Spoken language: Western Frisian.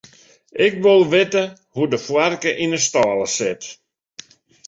Ik wol witte hoe't de foarke yn 'e stâle sit.